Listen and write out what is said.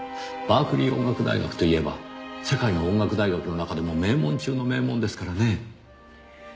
バークリー音楽大学といえば世界の音楽大学の中でも名門中の名門ですからねぇ。